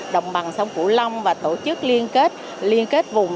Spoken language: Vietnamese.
đồng bằng sông cửu long và tổ chức liên kết vùng